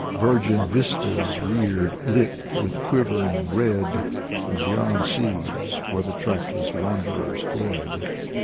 Virgin vistas reared, lit with quivering red. And beyond seas were the trackless wanderers fled.